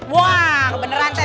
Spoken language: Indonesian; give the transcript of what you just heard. wah kebeneran teh